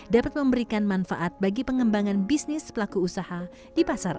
dapat memberikan manfaat bagi pengembangan bisnis pelaku usaha di pasar